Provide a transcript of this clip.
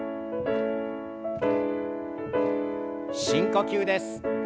深呼吸です。